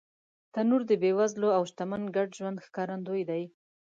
تنور د بېوزله او شتمن ګډ ژوند ښکارندوی دی